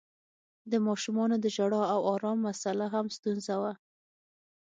د ماشومانو د ژړا او آرام مسآله هم ستونزه وه.